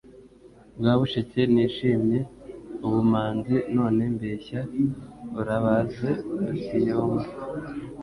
Rwabusheke nishimye ubumanziNone mbeshya urabaze Rutiyomba.